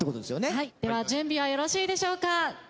では準備はよろしいでしょうか。